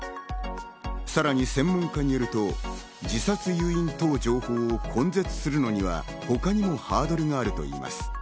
さらに専門家によると、自殺誘引等情報を根絶するには他にもハードルがあるといいます。